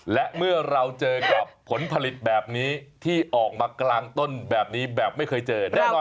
และเมื่อเราเจอกับผลผลิตแบบนี้ที่ออกมากลางต้นแบบนี้แบบไม่เคยเจอแน่นอน